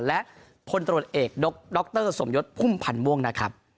และพลตรวจเอกดรสมยศพุ่มพันธ์ม่วงนะครับ